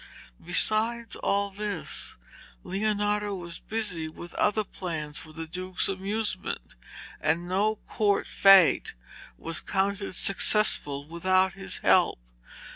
Besides all this Leonardo was busy with other plans for the Duke's amusement, and no court fete was counted successful without his help.